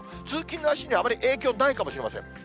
通勤ラッシュにあまり影響ないかもしれません。